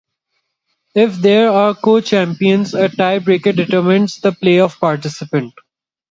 If there are co-champions, a tie-breaker determines the playoff participant.